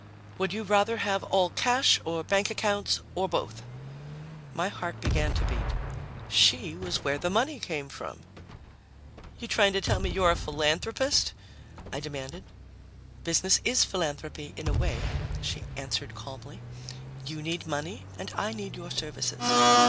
"Would you rather have all cash or bank accounts or both?" My heart began to beat. She was where the money came from! "You trying to tell me you're a philanthropist?" I demanded. "Business is philanthropy, in a way," she answered calmly. "You need money and I need your services.